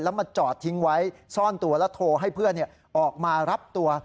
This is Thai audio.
แล้วมาจอดทิ้งไว้ซ่อนตัวแล้วโทรให้เพื่อนออกมารับตัว